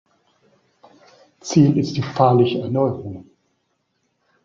Ziel ist die pfarrliche Erneuerung.